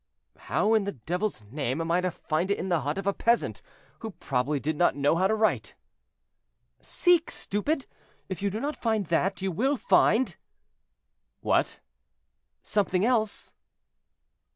"How in the devil's name am I to find it in the hut of a peasant, who probably did not know how to write?" "Seek, stupid! if you do not find that, you will find—" "What?" "Something else."